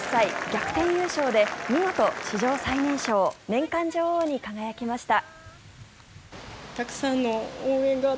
逆転優勝で見事史上最年少年間女王に輝きました。